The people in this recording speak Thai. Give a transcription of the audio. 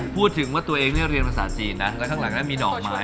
พูดถึงว่าตัวเองนี่เรียนภาษาจีนนะก็ทั้งหลังแล้วมีดอกไม้